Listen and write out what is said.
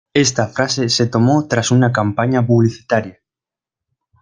Esta frase se tomó tras una campaña publicitaria.